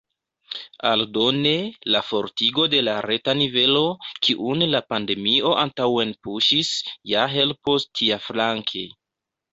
Aldone, la fortigo de la reta nivelo, kiun la pandemio antaŭenpuŝis, ja helpos tiaflanke.